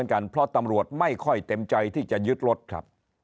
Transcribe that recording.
กันเพราะตำรวจไม่ค่อยเต็มใจที่จะยึดรถครับ